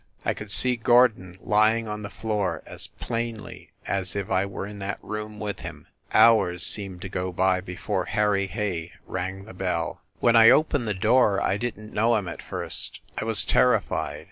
... I could see Gordon lying on the floor as plainly as if I were in that room with him ... hours seemed to go ,by before Harry Hay rang the bell. 38 FIND THE WOMAN When I opened the door I didn t know him at first; I was terrified.